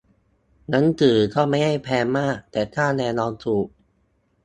หนังสือก็ไม่ได้แพงมาก แต่ค่าแรงเราถูก